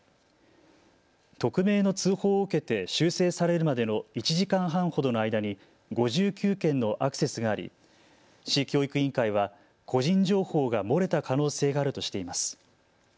匿名の通報を受けて修正されるまでの１時間半ほどの間に５９件のアクセスがあり市教育委員会は個人情報が漏れた可能性があるとしています。